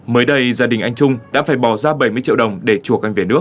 mới đây gia đình anh trung đã phải bỏ ra bảy mươi triệu đồng để chuộc anh về nước